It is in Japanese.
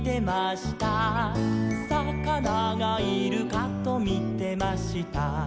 「さかながいるかとみてました」